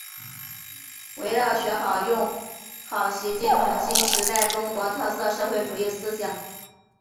围绕学好、用好习近平新时代中国特色社会主义思想